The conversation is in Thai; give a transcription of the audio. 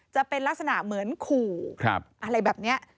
จะเป็นลักษณะเหมือนขู่อะไรแบบนี้